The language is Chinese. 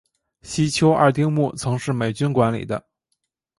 西丘二丁目曾是美军管理的。